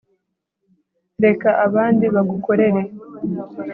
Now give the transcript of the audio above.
reka abandi bagukorere